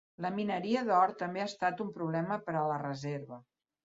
La mineria d'or també ha estat un problema per a la reserva.